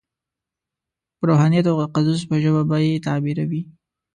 په روحانیت او تقدس په ژبه به یې تعبیروي.